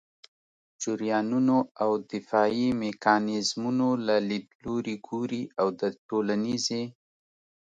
جریانونو او دفاعي میکانیزمونو له لیدلوري ګوري او د ټولنيزې